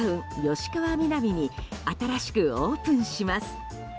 吉川美南に新しくオープンします。